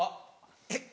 えっ？